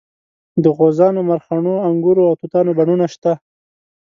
د غوزانو مرخڼو انګورو او توتانو بڼونه شته.